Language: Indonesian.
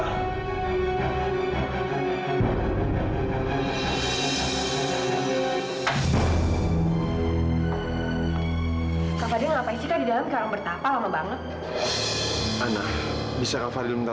kakaknya ngapain sih di dalam karang bertapa lama banget bisa kak fadil minta